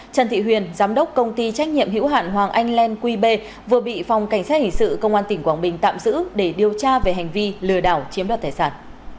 trần thị huyền giám đốc công ty trách nhiệm hữu hạn hoàng anh lan qb vừa bị phòng cảnh sát hình sự công an tỉnh quảng bình tạm giữ để điều tra về hành vi lừa đảo chiếm đoạt tài sản